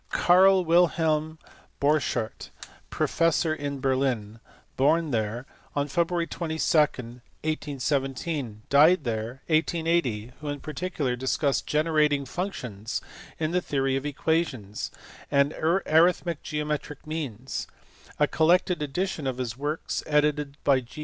Carl Wilhelm Borchardt, professor in Berlin, born there on Feb. 22, 1817, and died there in 1880, who in particular discussed generating functions in the theory of equations, and arithmetic geometric means: a collected edition of his works, edited by G.